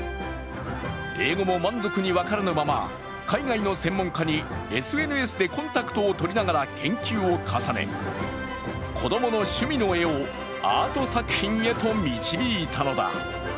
英語も満足に分からぬまま海外の専門家にＳＮＳでコンタクトをとりながら研究を重ね、子供の趣味の絵をアート作品へと導いたのだ。